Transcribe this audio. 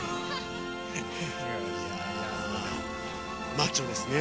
マッチョですね。